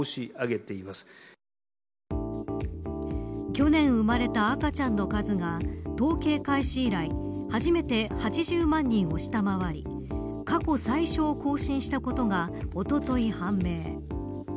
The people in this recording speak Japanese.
去年生まれた赤ちゃんの数が統計開始以来初めて８０万人を下回り過去最少を更新したことがおととい判明。